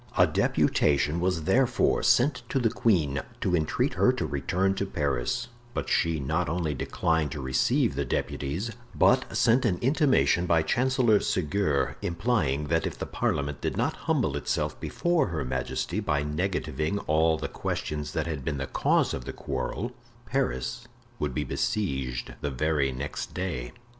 A deputation was therefore sent to the queen to entreat her to return to Paris; but she not only declined to receive the deputies, but sent an intimation by Chancellor Seguier, implying that if the parliament did not humble itself before her majesty by negativing all the questions that had been the cause of the quarrel, Paris would be besieged the very next day.